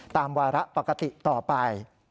วาระปกติต่อไป